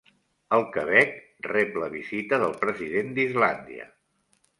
El Quebec rep la visita del president d'Islàndia